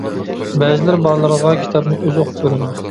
بەزىلىرى بالىلىرىغا كىتابنى ئۆزى ئوقۇپ بېرىدۇ.